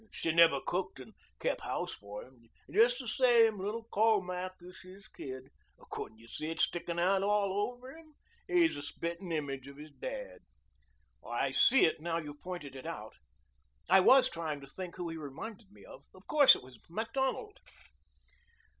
She never cooked and kept house for him. Just the same, little Colmac is his kid. Couldn't you see it sticking out all over him? He's the spit'n' image of his dad." "I see it now you've pointed it out. I was trying to think who he reminded me of. Of course it was Macdonald."